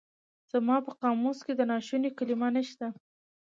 زما په قاموس کې د ناشوني کلمه نشته.